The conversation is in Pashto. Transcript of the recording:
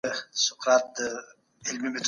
غړو به د ملي راډيو تلوېزيون خپرونې معياري کړي وي.